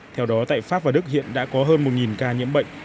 theo đó tại pháp và đức hiện đã có hơn một ca nhiễm bệnh